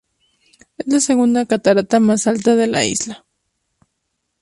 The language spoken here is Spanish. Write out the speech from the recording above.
Es la segunda catarata más alta de la isla.